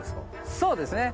そうですね